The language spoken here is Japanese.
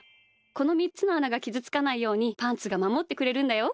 この３つのあながきずつかないようにパンツがまもってくれるんだよ。